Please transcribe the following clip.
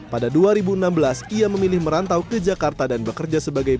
pada dua ribu enam belas ia memilih merantau ke jakarta dan bekerja sebagai